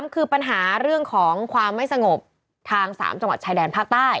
คือปัญหาเรื่องของความไม่สงบทาง๓จังหวัดชายแดนภาคใต้